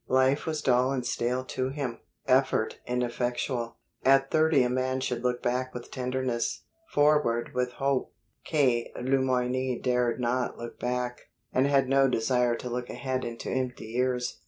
Life was dull and stale to him, effort ineffectual. At thirty a man should look back with tenderness, forward with hope. K. Le Moyne dared not look back, and had no desire to look ahead into empty years.